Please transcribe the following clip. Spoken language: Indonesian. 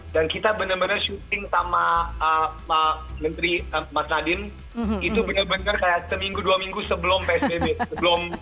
dan kita bener bener syuting sama menteri mas nadiem itu bener bener kayak seminggu dua minggu sebelum psbb